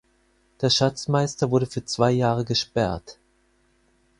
Der Schatzmeister wurde für zwei Jahre gesperrt.